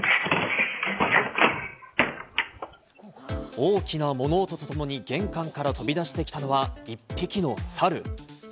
大きな物音とともに玄関から飛び出してきたのは１匹のサル。